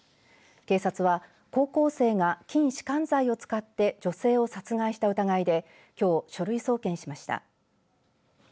警察は、高校生が筋しかん剤を使って女性を殺害した疑いできょう、書類送検しました。